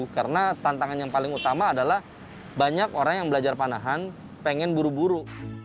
karena tantangan yang paling utama adalah banyak orang yang belajar panahan pengen buru buru